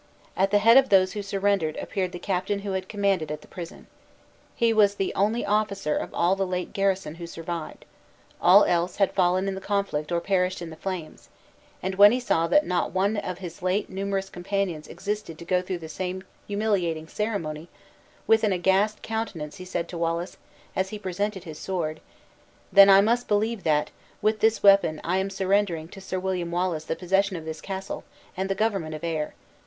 At the head of those who surrendered appeared the captain who had commanded at the prison. He was the only officer of all the late garrison who survived, all else had fallen in the conflict or perished in the flames; and when he saw that not one of his late numerous companions existed to go through the same humiliating ceremony, with an aghast countenance he said to Wallace, as he presented his sword, "Then I must believe that, with this weapon, I am surrendering to Sir William Wallace the possession of this castle and the government of Ayr.